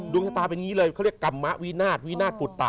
ชะตาเป็นอย่างนี้เลยเขาเรียกกรรมวินาทวินาทปุตตะ